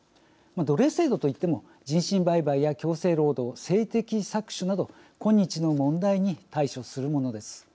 奴隷制度といっても人身売買や強制労働性的搾取など今日の問題に対処するものです。